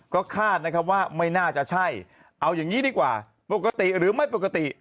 ก็คาดนะครับว่าไม่น่าจะใช่เอาอย่างนี้ดีกว่าปกติหรือไม่ปกติ